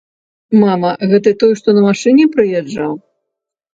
Мама, гэта той, што на машыне прыязджаў?